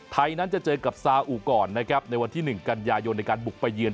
ไทยนั้นจะเจอกับซาอูกรในวันที่๑กัญญาโยนในการบุกไปเยือน